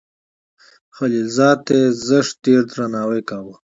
خلیل زاده ته زښت ډیر درناوی کاو.